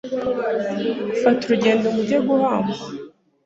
Ufata urugendo ngo ujye guhamba